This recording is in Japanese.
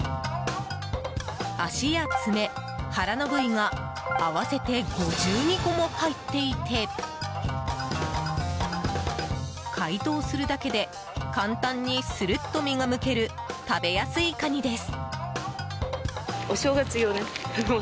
足や爪、腹の部位が合わせて５２個も入っていて解凍するだけで簡単にするっと身がむける、食べやすいカニです。